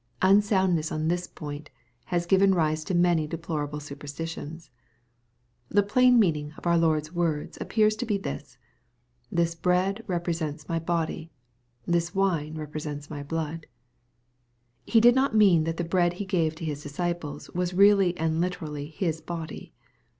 Unsoundness on this point has given rise to many deplorable superstitions. The plain meaning of our Lord's words appears to be this, —" This bread represents my body. This wine re presents my blood." He did not mean that the bread He gave to His disciples was really and literally His body.